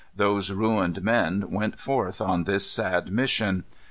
Those ruined men went forth on this sad mission.